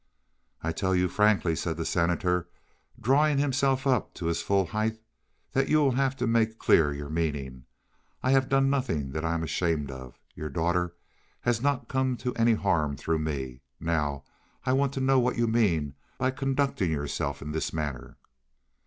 "I tell you frankly," said the Senator, drawing himself up to his full height, "that you will have to make clear your meaning. I have done nothing that I am ashamed of. Your daughter has not come to any harm through me. Now, I want to know what you mean by conducting yourself in this manner."